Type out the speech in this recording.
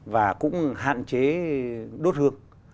và cũng hạn chế đốt hược